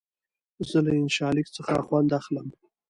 زه له انشا لیک څخه خوند اخلم.